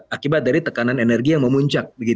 akibat dari tekanan energi yang memuncak